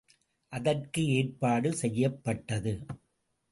அதற்கு ஏற்பாடு செய்யப்பட்டது.